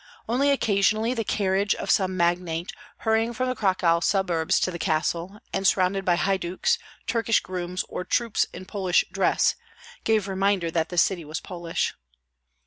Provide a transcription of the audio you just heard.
Only occasionally the carriage of some magnate, hurrying from the Cracow suburbs to the castle, and surrounded by haiduks, Turkish grooms, or troops in Polish dress, gave reminder that the city was Polish.